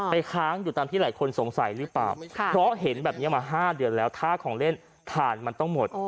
ค้างอยู่ตามที่หลายคนสงสัยหรือเปล่าเพราะเห็นแบบนี้มา๕เดือนแล้วถ้าของเล่นถ่านมันต้องหมด